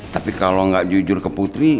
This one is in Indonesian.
tapi kalau nggak jujur ke putri